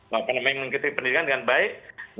mengikuti pendidikan dengan baik